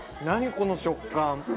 この食感。